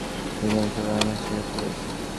মলি, জীবনে সবাই আমাকে ছেড়ে চলে গেছে।